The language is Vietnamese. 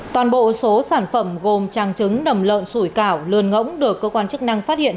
toàn bộ số sản phẩm gồm trang trứng nầm lợn sủi cảo lươn ngỗng được cơ quan chức năng phát hiện